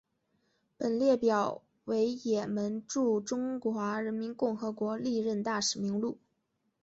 本列表为也门驻中华人民共和国历任大使名录。